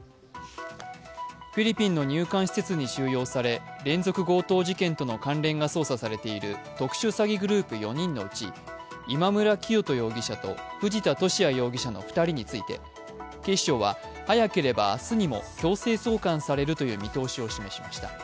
フィリピンの入管施設に収容され連続強盗事件との関連が捜査されている特殊詐欺グループ４人のうち今村磨人容疑者と藤田聖也容疑者の２人について警視庁は早ければ明日にも強制送還されるという見通しを示しました。